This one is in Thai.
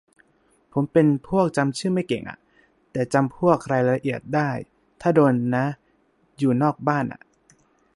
ผมเป็นพวกจำชื่อไม่เก่งอ่ะ แต่จำพวกรายละเอียดได้ ถ้าโดนนะ อยู่นอกบ้านอ่ะ